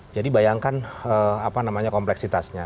jadi bayangkan kompleksitasnya